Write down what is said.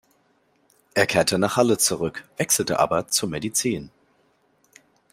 Er kehrte nach Halle zurück, wechselte aber zur Medizin.